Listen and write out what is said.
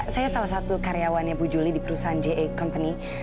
saya salah satu karyawannya bu juli di perusahaan ja company